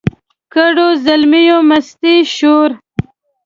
کړو زلمیو مستي شور